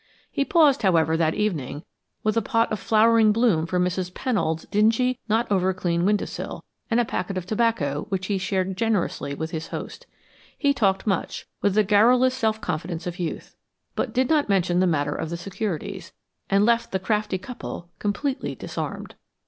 He paused, however, that evening, with a pot of flowering bloom for Mrs. Pennold's dingy, not over clean window sill, and a packet of tobacco which he shared generously with his host. He talked much, with the garrulous self confidence of youth, but did not mention the matter of the securities, and left the crafty couple completely disarmed.